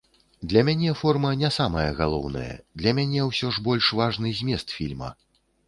Для мяне форма не самае галоўнае, для мяне ўсё ж больш важны змест фільма.